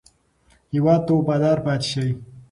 هېواد ته وفادار پاتې شئ.